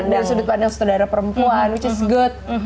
dari sudut pandang saudara perempuan which is good